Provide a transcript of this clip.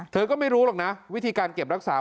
เธอก็ไม่รู้หรอกนะวิธีการเก็บรักษา